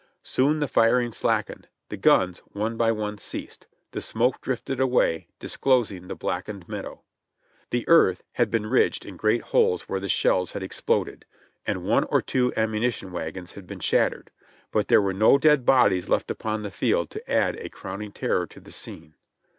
Soon the firing slackened ; the guns, one by one, ceased ; the smoke drifted away, disclosing the blackened meadow. The earth had been ridged in great holes where the shells had exploded, and one or two ammunition wagons had been shattered, but there were no dead bodies left upon the field to add a crowning terror to the scene.